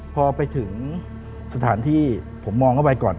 พอไปถึงสถานที่ผมมองเข้าไปก่อน